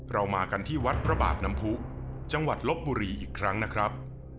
เรามากันที่วัดพระบาทน้ำผู้จังหวัดลบบุรีอีกครั้งนะครับ